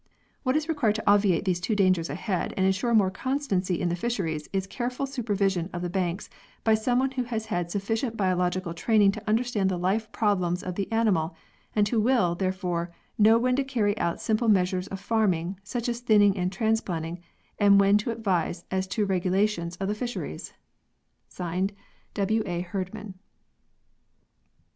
What is required to obviate these two dangers ahead and ensure more constancy in the fisheries is careful supervision of the banks by someone who has had sufficient biological training to understand the life problems of the animal, and who will, therefore, know when to carry out simple measures of farming, such as thinning and transplanting, and when to advise as to the regulations of the fisheries. (Signed) W. A. HERDMAN."